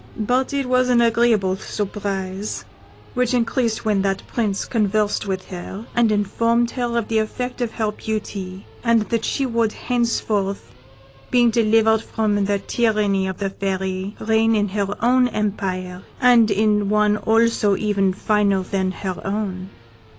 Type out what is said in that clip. But it was an agreeable surprise, which increased when that Prince conversed with her, and informed her of the effect of her beauty, and that she would henceforth, being delivered from the tyranny of the Fairy, reign in her own empire, and in one also even finer than her own.